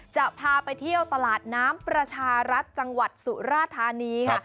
จะพาไปเที่ยวตลาดน้ำประชารัฐจังหวัดสุราธานีค่ะ